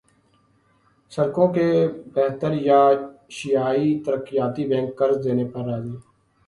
سڑکوں کی بہتریایشیائی ترقیاتی بینک قرض دینے پر راضی